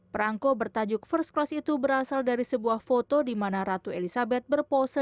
perangko bertajuk first class itu berasal dari sebuah foto di mana ratu elizabeth berpose